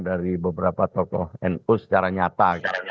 dari beberapa tokoh nu secara nyata